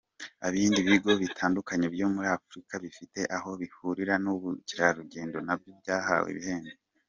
Ibindi bigo bitandukanye byo muri Afurika bifite aho bihurira n’ubukerarugendo nabyo byahawe ibihembo.